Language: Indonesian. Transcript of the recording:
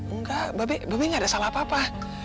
enggak babe babe gak ada salah apa apa